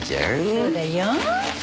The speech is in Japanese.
そうだよ。